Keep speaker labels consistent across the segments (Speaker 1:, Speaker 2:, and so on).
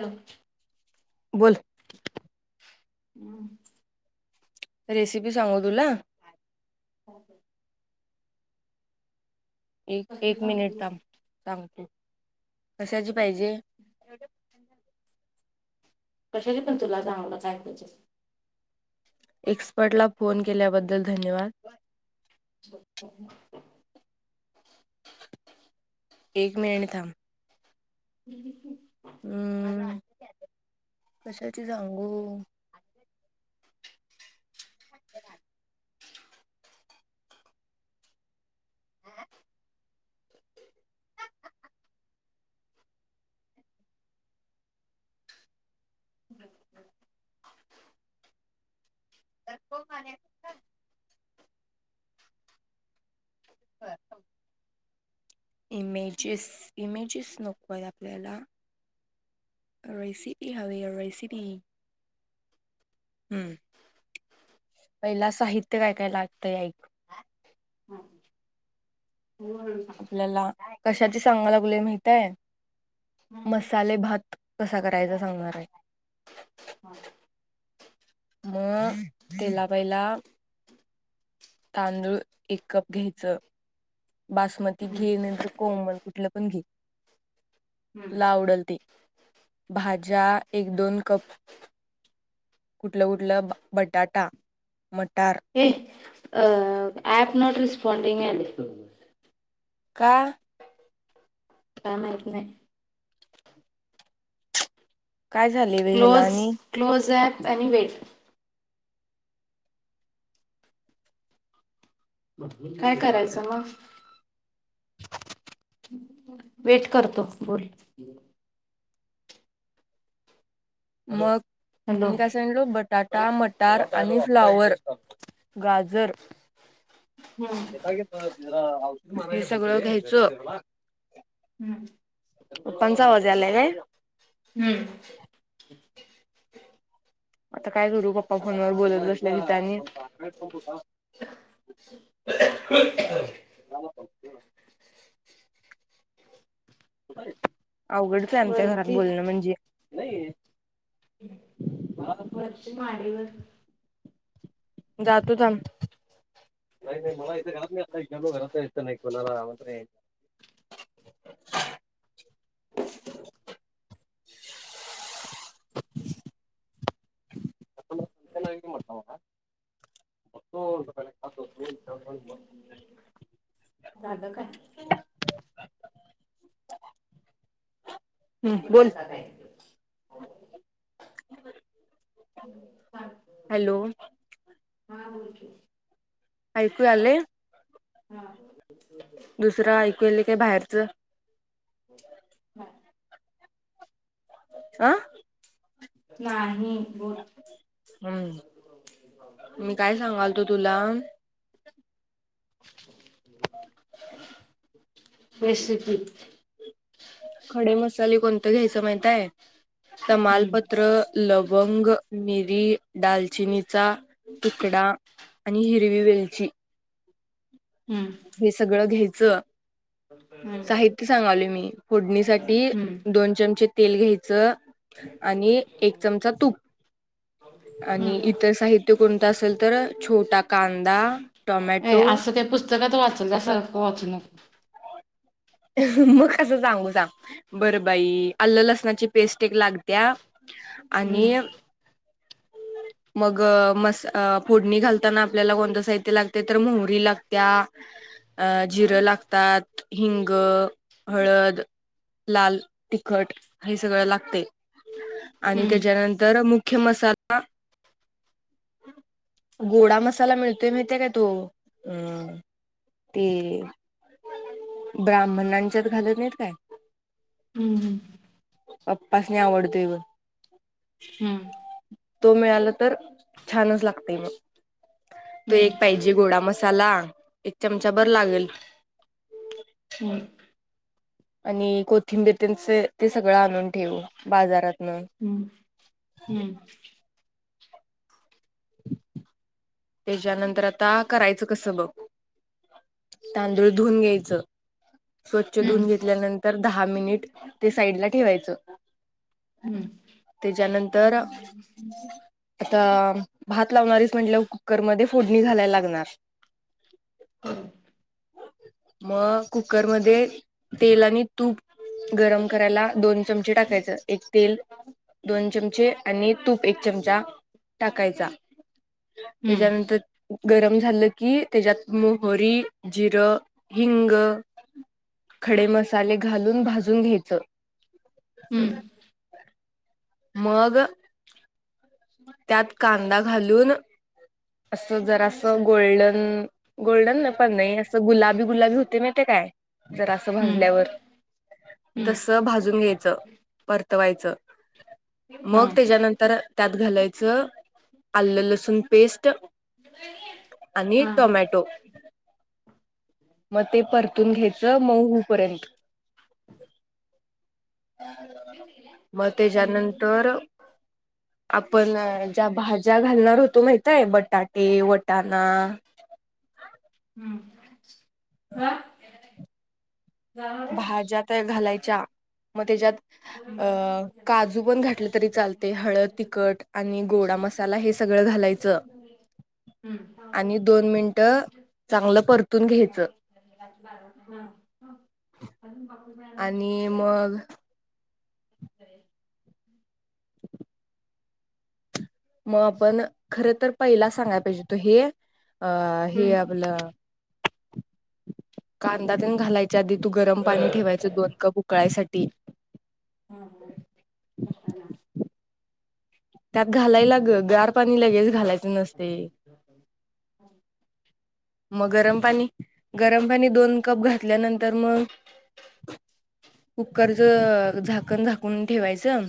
Speaker 1: हॅ [inaudible]
Speaker 2: बोल
Speaker 1: हम्म
Speaker 2: रेसिपी सांगू तुला
Speaker 1: होओके.
Speaker 2: एक एक मिनिट थांब
Speaker 1: कशाने
Speaker 2: सांगतो. कशाची पाहिजे.
Speaker 1: कशाची पण तुला जाणवलं जाय म्हजे [inaudible]
Speaker 2: एक्सपर्टला फोन केल्याबद्दल धन्यवाद.
Speaker 1: ब [inaudible]
Speaker 2: एक मिनट थांब हम्म. कशाची सांगू? हं
Speaker 1: बम् [inaudible]
Speaker 2: तरको खण्या ख [inaudible] हा इमेजेस इमेजेस नकोय आपल्याला अेस हवे अयसबी [inaudible] हम्म पहिला साहित्य काय काय लागतंय ऐक, आपल्याला कशाची सांगाय लागुले माहित आहे. मसाले भात कसा करायचा सांगणार आहे. म तेला पहिला तांदूळ एक कप घ्यायचं बासमती घेनंतर कोमल कुठलं पण घे तुला आवडल ते, भाज्या एक दोन कप कुठलं कुठलं बटाटा, मटार,
Speaker 1: अ प नोट रेस्पाॉडीिंगे [inaudible]
Speaker 2: का
Speaker 1: काय माहित नाही.
Speaker 2: काय झाले वे
Speaker 1: क्लो
Speaker 2: ह्याला आणि
Speaker 1: क्लोज ॲॅप आणि वेट काय करायचं मग, वेट करतो बोल
Speaker 2: मग
Speaker 1: हॅलो
Speaker 2: मी काय सांगलो बटाटा टा मटार आणि फ्लावर, [unintelligible] गाजर मी सगळं घ्यायचो.
Speaker 1: हम्
Speaker 2: आवाज यालाय काय
Speaker 1: हम्म ह
Speaker 2: आता काय करू पप्पा फोन वर बोलत अससल्या की त्यांनी हो. अवघडच आमच्या घरात
Speaker 1: वरती
Speaker 2: बोलणं म्हणजे
Speaker 1: रच माडिक [inaudible]
Speaker 2: जातो थांब नाही नाही मला इथे घरात नाही गेलो घरात नाही कोणाला म्हत बघतो पहिला
Speaker 1: झालं काय
Speaker 2: हम् बोल
Speaker 1: हा,
Speaker 2: हॅलो
Speaker 1: बोल की.
Speaker 2: ऐकू यालय
Speaker 1: हा,
Speaker 2: दुसरं ऐकूल काय बाहेरच
Speaker 1: हा.
Speaker 2: आह
Speaker 1: नाही बोल
Speaker 2: हम् मी काय सांगाल तो तुला ह्ह्ह
Speaker 1: रेसिपी
Speaker 2: खडे मसाले कोणतं घ्यायचं माहितय
Speaker 1: हम्म
Speaker 2: तमालपत्र लवंग मिरी दालचिनीचा तुकडा आणि हिरवी वेलची
Speaker 1: हम्म
Speaker 2: हे सगळं घ्यायचं
Speaker 1: हम्म
Speaker 2: साहित्य सांगाल मी फोडणीसाठी
Speaker 1: हम्म
Speaker 2: दोन चमचे तेल घ्यायचे च आणि एक चमचा तूप आणि
Speaker 1: हम्म
Speaker 2: इतर साहित्य कोणतं असेल तर छोटा कांदा टोमॅटो
Speaker 1: ए असं काही पुस्तकात वाचल सारखं वाचू नको
Speaker 2: मगस कस सांगू सांग बरं बाई आल्ल लसणाची पेस्ट एक लागत्या
Speaker 1: हम्म
Speaker 2: आणि मग मस फोडणी घालताना आपल्याला कोणतं साहित्य लागते तर मोहरी लागत्या अ जिरं लागतात हिंग हळद लाल तिखट हे सगळं लागते आणि
Speaker 1: हम्म
Speaker 2: त्याच्यानंतर मुख्य मसाला गोडा मसाला मिळतोय माहतीय काय तो अ ते ब्राह्मणांच्यात घालत नाही काय
Speaker 1: हम्म
Speaker 2: पप्पाास नाही आवडतोय गण
Speaker 1: हम्म
Speaker 2: तो मिळाला तर छानच लागते मग तो
Speaker 1: हम्म
Speaker 2: एक पाहिजे गोडा मस् चला एक चमचा भर लागेल
Speaker 1: हम्म
Speaker 2: आणि कोथिंबीरतेच ते सगळं आणून ठेवू बाजारात म
Speaker 1: हम्म
Speaker 2: त्याच्यानंतर आता करायचं कसं बघ तांदूळ धुऊून घ्यायचं स्वच्छ
Speaker 1: हम्म
Speaker 2: धुून घेतल्यानंतर दहा मिनिट ते साईडला ठेवायचं
Speaker 1: हम्म
Speaker 2: तर
Speaker 1: हम्म
Speaker 2: आता भात लावणारच म्हट कुकरमध्ये फोडणी घालायला लागणार मग कुकरमध्येध्ये तेल आणि तूप गरम करायला दोन चमचे टाकायचं एक तेल दोन चमचे आणि तूप एक चमचा टाकायचा
Speaker 1: हम्म
Speaker 2: त्याच्यानंतर गरम झालं की त्याच्यात मोहरी जिरं हिंग खडे मसाले घालून भाजून घ्यायच
Speaker 1: हम्म
Speaker 2: माग त्यात कांदा घालून अस जरा असं गोल्डन गोल्डन ना पण नाही असं गुलाबी गुलाबी होते माहितीय काय? जरा सं
Speaker 1: हम्म
Speaker 2: भाजल्यावर...
Speaker 1: हम्म
Speaker 2: तस भाजून घ्यायचं परतवायचं
Speaker 1: हा
Speaker 2: मग त्याच्यानंतर... त्यात घालायचं आलं लसूण पेस्ट.... आणि
Speaker 1: हा
Speaker 2: टोमॅटो.... मग ते परतून घ्यायचं मऊ पर्यंत... मग त्याच्यानंतर.... आपण ज्या भाज्या घालणार होतो माहितय बटाटे वटाणा.....
Speaker 1: [unintelligible] हा जाणार आहेस?
Speaker 2: भाज्यात घालायची च्या मग त्याच्यात अ काजू पण घातलं तरी चालत.. ते हळद तिखट आणि गोडा मसाला हे सगळं घालायचं..
Speaker 1: हम्म हा
Speaker 2: आणि दोन मिनट चांगलं परत... तुन घ्यायचं
Speaker 1: हा अजून बाकी काय आहे?
Speaker 2: आणि मग मग आपण खर तर पहिला सांगायला पाहिजे हुत हे... अ हे
Speaker 1: हम्म
Speaker 2: आपलं... कांदातेन घालायच्या आधी तू गरम पाणी ठेवायच दोन कप उकळायसाठी....
Speaker 1: ह ब....
Speaker 2: त्यात घालायला ग गार पाणी लगेच घालायचं नसते...
Speaker 1: हम्...
Speaker 2: मग गरम पाणी गरम पाणी दोन कप घातल्यानंतर मग... कुकरच झाकण झाकून ठेवायचं...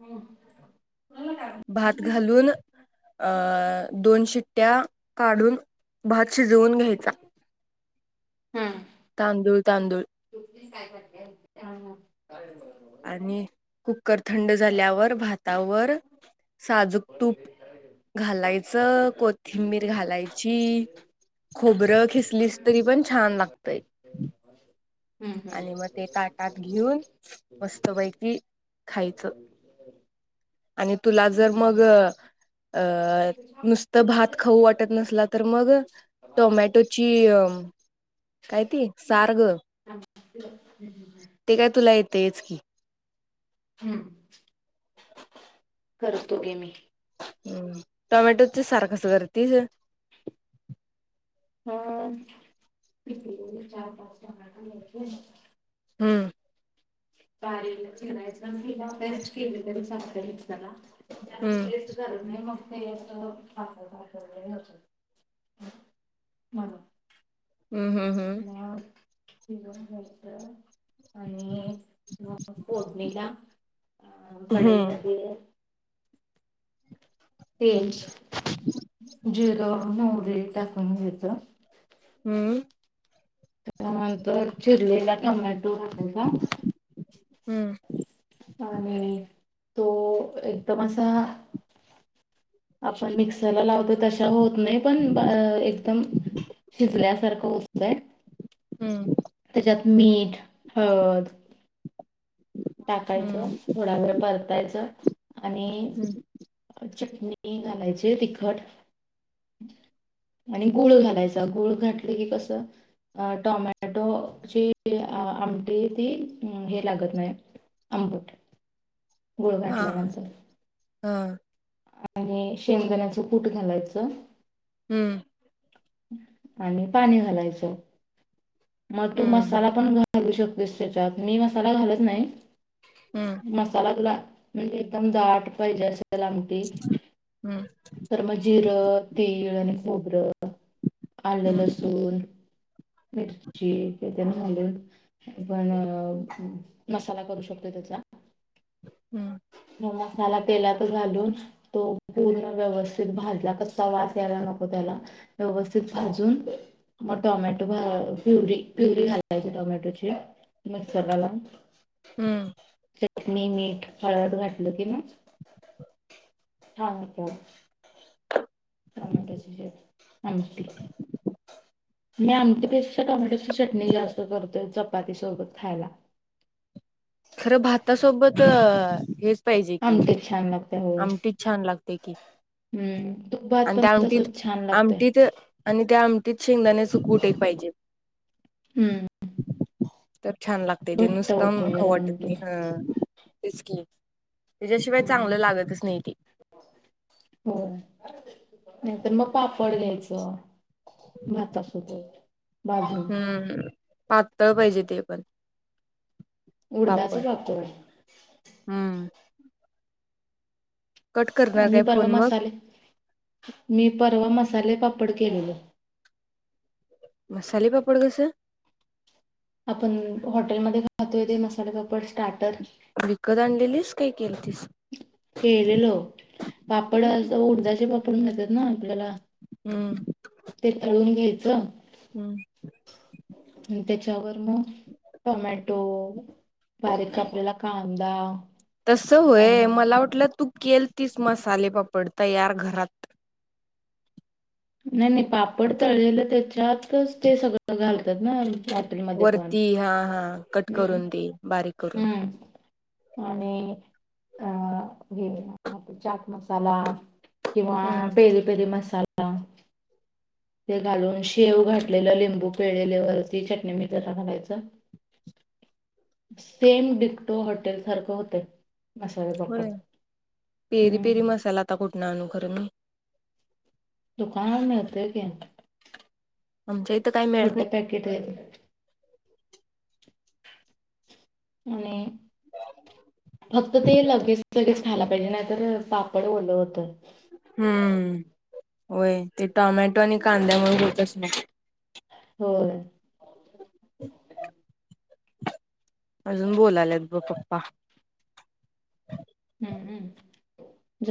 Speaker 1: हम्...
Speaker 2: भात घालून.. अ दोन शिट्ट्या काढून भात शिजवून घ्यायचा... तांदूळ तांदूळ..
Speaker 1: काय कर..
Speaker 2: आणि कुकर थंड झाल्यावर भातावर... साजूक तूप घालायचं कोथिंबीर... घालायची.. खोबरं खिसलीस तरी पण छान लागतय...
Speaker 1: ह हा...
Speaker 2: हात घेऊन मस्त पैकी खायच.... आणि तुला जर
Speaker 1: हम्म
Speaker 2: मग.. अ नुसतं भात खाऊ वाटत नसला तर मग... टोमॅटोची अ काय ते सार ग... ते काय तुला येतंयच की....
Speaker 1: हम्म करतो ग मी..
Speaker 2: हम् टोमॅटोच सार क स करतेस.
Speaker 1: अ चार पाच टमॅटो घ्यायचे.
Speaker 2: हम्म...
Speaker 1: िय के तरी
Speaker 2: हम्म
Speaker 1: त्या टेस्ट नाही तेला म्हणून..
Speaker 2: हम्म हम् हम्म
Speaker 1: ठीक आहे.. आणि मग फोडणीला अ
Speaker 2: हम्म.
Speaker 1: कढाईमध्ये... तेल जिरं मोहरी टाकून घ्यायच..
Speaker 2: हम्म..
Speaker 1: त्यानंतर चिरलेला टोमॅटो [unintelligible]
Speaker 2: हम्म
Speaker 1: आणि तो एकदम असा आपण मिक्सरला लावत त होत नाही पण एकदम शिजल्यासारखं होतय
Speaker 2: हम्म
Speaker 1: मीठ हळद टाकायचं
Speaker 2: हम्म हम्म
Speaker 1: थोडा वेळ परतायचं आणि
Speaker 2: हम्म
Speaker 1: चटणी घालायची तिखट आणि गुळ घालायचा गुळ घातले की कस टोमॅटो जी आमटी ती हे लागत नाही आंबट गुळ
Speaker 2: हा
Speaker 1: घातल्यानंतर
Speaker 2: हा
Speaker 1: आणि शेंगदाण्याच कूट घालायचं
Speaker 2: हम्म
Speaker 1: आणि पाणी घालायचं मग तू
Speaker 2: हम्म
Speaker 1: मसाला पण घालू शकतो दुस्याच्या मी मसाला घालत नाही
Speaker 2: हम्म
Speaker 1: मसाला तुला म्हणजे एकदम दाट पाहिजे असं लामटी
Speaker 2: हम्म
Speaker 1: तर मग जिरं तीळ आणि खोबरं आलं
Speaker 2: हम्म
Speaker 1: लसूण मिरची झाले पण मसाला करू शकतो त्या [inaudible]
Speaker 2: हम्म
Speaker 1: ह [inaudible] मसाला तेलात घालून तो पूर्ण व्यवस्थित भाजला कचा वास यायला नको त्याला व्यवस्थित भाजून मग टमॅटो भा पुरी पुरी घालाय टमॅट मिक्सरला लाऊन
Speaker 2: हम्म
Speaker 1: चटनी मीठ फराळाचं घातलं की मग हा का आमटी. मी आमटीपेक्षा टोमॅटोची चटणी जास्त करतोय चपाती सोबत खायला
Speaker 2: खरं भात सोबत हेच पाहिजे की
Speaker 1: आमटी छान लागते हो
Speaker 2: आमटीत छान लागते की
Speaker 1: हम्म तूप भात
Speaker 2: आणि
Speaker 1: पण
Speaker 2: त्या आमटीत
Speaker 1: तसच छान लागते
Speaker 2: आमटीत आणि त्या आमटीत शेंगदाण्याच कुट ही पाहिजे
Speaker 1: हम्म
Speaker 2: तर छान लागते ते
Speaker 1: घट्ट
Speaker 2: नुसत
Speaker 1: होतो
Speaker 2: खाऊ
Speaker 1: जरा
Speaker 2: वाटत नाही
Speaker 1: नंतर
Speaker 2: तेच की त्याच्याशिवाय चांगलं
Speaker 1: हम्म
Speaker 2: लागतच नाही ते
Speaker 1: हो नाहीतर मग पापड घ्यायच भातासोबत भाजून
Speaker 2: हम्म पातळ पाहिजे ते पण
Speaker 1: उडदाचा
Speaker 2: पापड
Speaker 1: पापड
Speaker 2: हम्म कट करणार
Speaker 1: आणि मी
Speaker 2: काय
Speaker 1: परवा
Speaker 2: फोन मग
Speaker 1: मसाले मी परवा मसाले पापड केलेले
Speaker 2: मसाले पापड कसा
Speaker 1: आपण हॉटेलमध्ये खातोय तेे मसाले पापड स्टार्टर
Speaker 2: विकत आणलेलीस काही
Speaker 1: केलेलं पापड अस उडदाचे पापड घातात आपल्याला
Speaker 2: हम
Speaker 1: ते तळून घ्यायचं
Speaker 2: हम्म
Speaker 1: आणि त्याच्यावर मग टोमॅटो बारीक कापलेला कांदा
Speaker 2: तस होय मला
Speaker 1: आणि
Speaker 2: वाटलं तू केल तीच मसाले बाप्पा, पडतयार घरात,
Speaker 1: नाही नाही पापड तळलेलं त्याच्यातच ते सगळं घालतात ना? हाॅटेल मध्ये पण
Speaker 2: वरती हा हा कट
Speaker 1: हम्
Speaker 2: करून दे बारीक करून
Speaker 1: हम्म, आणि अं हे आप चाक मसाला, किंवा
Speaker 2: हम्म
Speaker 1: पेरी पेरी मसाला, ते घालून शेव घातलेलं लिंबू पेळल्यावरती चटणी मी ज घालायचं. सेम डिकटो हॉटेलसारखं होतंय. मसाले पापड
Speaker 2: होय पेरी
Speaker 1: हम्म
Speaker 2: पेरी मसाला आता कुठण आणू खर मी,
Speaker 1: दुकान मिळतोय की,
Speaker 2: आमच्या इथं काही मिळत नाही
Speaker 1: छोट्या पॅकेट आहे. आणि फक्त ते लागगे, लागच खायला पाहिजे, नाहीतर पापड ओलं होतं.
Speaker 2: हम्म होय ते टोमॅटो आणि कांद्यामुळे होतच नाही.
Speaker 1: होय,
Speaker 2: अजून बोलालेत ब पप्पा,
Speaker 1: हम्म हम् [unintelligible]